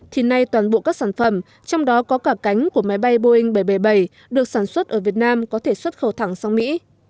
thì nay toàn bộ các sản phẩm trong đó có cả cánh của máy bay boeing bảy trăm bảy mươi bảy được sản xuất ở việt nam có thể xuất khẩu thẳng sang mỹ